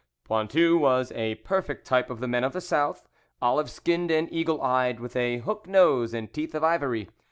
Pointu was a perfect type of the men of the South, olive skinned and eagle eyed, with a hook nose, and teeth of ivory.